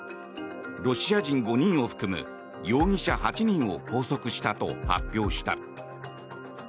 ロシア人５人を含む容疑者８人を拘束したと発表した。